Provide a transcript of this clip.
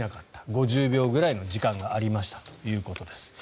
５０秒くらいの時間がありましたということです。